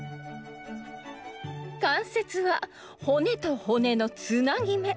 関節は骨と骨のつなぎめ。